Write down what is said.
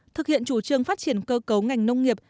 thực hiện chủ trương phát triển cơ cấu ngành nông nghiệp